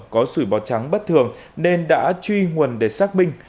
có sủi bào trắng bất thường nên đã truy nguồn để xác minh